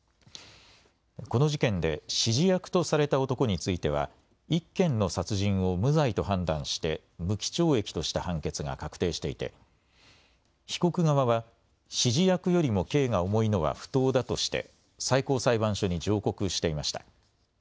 この事件で指示役とされた男については１件の殺人を無罪と判断して無期懲役とした判決が確定していて被告側は指示役よりも刑が重いのは不当だとして最高裁判所に上告していました。